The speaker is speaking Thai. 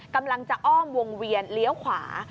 กำลังจะอ้อมวงเวียนเลี้ยวขวา